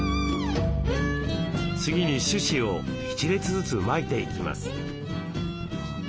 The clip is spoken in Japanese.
次に種子を一列ずつまいていきます。